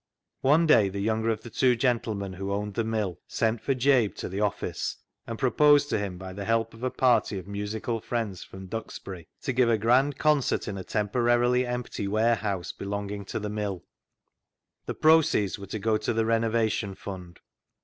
One day the younger of the two gentlemen who owned the mill sent for Jabe to the office, and proposed to him, by the help of a party of musical friends from Duxbury, to give a grand concert in a temporarily empty warehouse "THE ZEAL OF THINE HOUSE" 341 belonging to the mill. The proceeds were to go to the renovation fund.